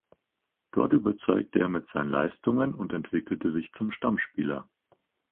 Dort überzeugte er mit seinen Leistungen und entwickelte sich zum Stammspieler.